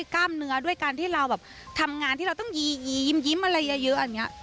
กล้ามเนื้อด้วยการที่เราแบบทำงานที่เราต้องยียิ้มอะไรเยอะอย่างนี้